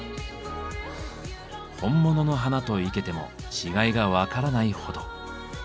本物の花と生けても違いが分からないほど。